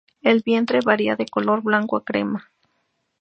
El vientre varía de color blanco a crema.